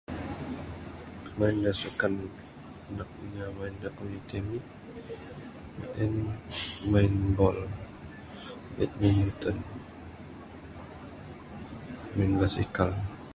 Main da sukan anak inya main da komuniti ami en main bol badminton main basikal.